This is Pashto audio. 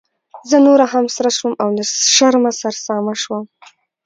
زه نوره هم سره شوم او له شرمه سرسامه شوم.